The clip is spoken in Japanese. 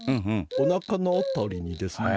おなかのあたりにですね